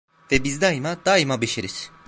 Ve biz daima, daima beşeriz.